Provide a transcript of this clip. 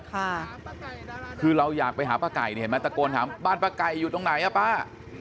คือเราอยากไปหาป้าไก่เนี่ยเห็นไหมตะโกนถามบ้านป้าไก่อยู่ตรงไหนอ่ะป้า